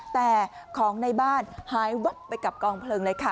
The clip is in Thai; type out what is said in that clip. แต่ของในบ้านหายวับไปกับกองเพลิงเลยค่ะ